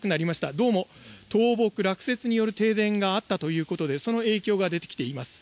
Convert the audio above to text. どうも落雪、倒木による停電があったということでその影響が出てきています。